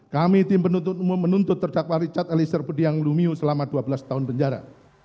kami tim penuntut umum menuntut terdakwa richard eliezer budiang lumiu selama dua belas tahun penjara